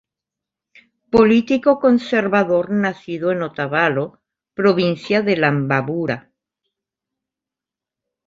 Político conservador nacido en Otavalo, provincia de Imbabura.